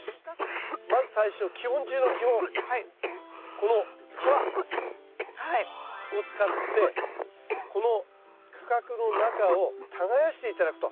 このクワを使ってこの区画の中を耕して頂くと。